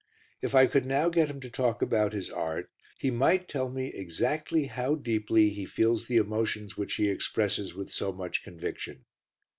If I could now get him to talk about his art, he might tell me exactly how deeply he feels the emotions which he expresses with so much conviction.